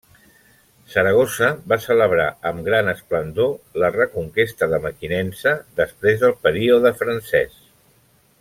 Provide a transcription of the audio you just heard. Saragossa va celebrar amb gran esplendor la reconquesta de Mequinensa després del període francès.